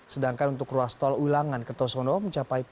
sedangkan untuk ruas tol wilangan kertosono mencapai tiga puluh delapan km